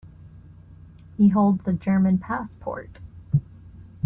He holds a German passport.